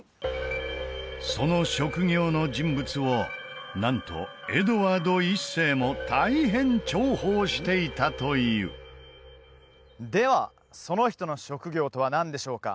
その職業の人物をなんとエドワード１世も大変重宝していたというではその人の職業とは何でしょうか？